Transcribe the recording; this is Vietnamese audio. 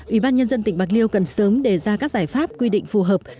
ủy ban nhân dân tỉnh bạc liêu cần sớm đề ra các giải pháp quy định phù hợp